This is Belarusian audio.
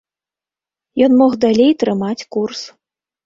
Ён мог далей трымаць курс.